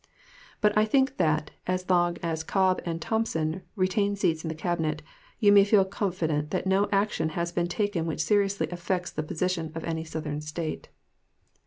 But I think that, as long as Cobb and Thompson retain seats in the Cabinet, you may feel confident that no action has been taken which seriously affects the position of any Southern State.